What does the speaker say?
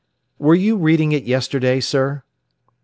"Were you reading it yesterday, sir?"